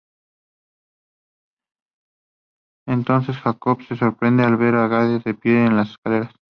Entonces Jacob se sorprende al ver Gabe al pie de la escalera.